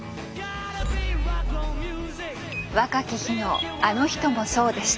若き日のあの人もそうでした。